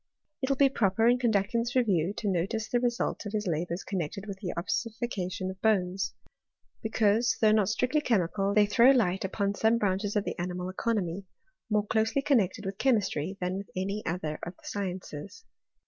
It will be proper in conducting this review to notice the result of his labours connected with the ossification of bones ; because, though not strictly chemical, they throw light upon some branches of the animal economy, more closely connected with chemistry than with any other of the sciences.